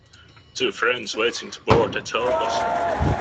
Two friends waiting to board the tour bus.